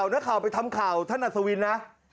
นักข่าวไปทำข่าวท่านอัศวินนะ